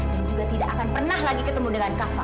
dan juga tidak akan pernah lagi ketemu dengan kafa